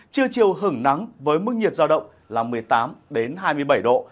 trưa chiều hứng nắng với mức nhiệt giao động là một mươi tám hai mươi bảy độ